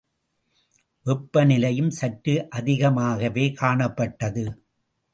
வெப்ப நிலையும் சற்று அதிகமாகவே காணப்பட்டது.